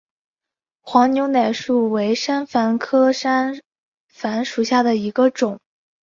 黄牛奶树为山矾科山矾属下的一个种。